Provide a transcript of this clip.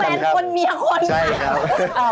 คุณเป็นแฟนคนเมียคน